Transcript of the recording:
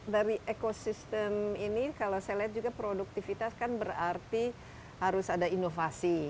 dari ekosistem ini kalau saya lihat juga produktivitas kan berarti harus ada inovasi